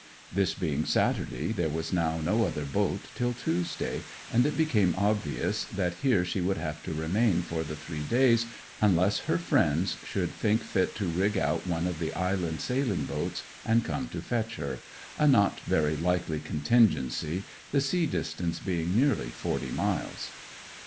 This being Saturday, there was now no other boat till Tuesday, and it became obvious that here she would have to remain for the three days, unless her friends should think fit to rig out one of the island' sailing boats and come to fetch her a not very likely contingency, the sea distance being nearly forty miles.